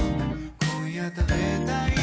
今夜食べたいもの」